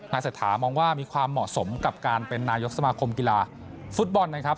เศรษฐามองว่ามีความเหมาะสมกับการเป็นนายกสมาคมกีฬาฟุตบอลนะครับ